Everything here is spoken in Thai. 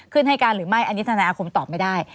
ให้การหรือไม่อันนี้ทนายอาคมตอบไม่ได้